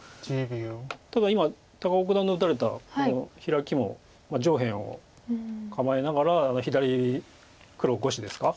ただ今高尾九段の打たれたこのヒラキも上辺を構えながら左黒５子ですか。